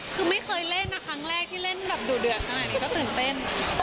คือไม่เคยเล่นนะครั้งแรกที่เล่นแบบดุเดือดขนาดนี้ก็ตื่นเต้น